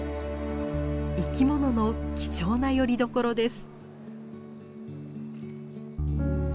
生き物の貴重なよりどころです。